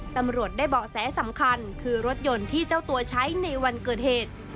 ตำรวจได้เบาะแสสำคัญคือรถยนต์ที่เจ้าตัวใช้ในวันเกิดเหตุ